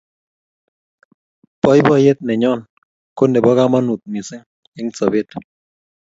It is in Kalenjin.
baibaiet nenyon ko nebo kamangut missing eng' sabet